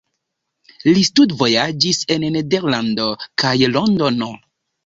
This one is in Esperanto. Li studvojaĝis en Nederlando kaj Londono.